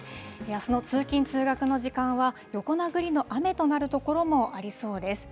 あすの通勤・通学の時間は、横殴りの雨となる所もありそうです。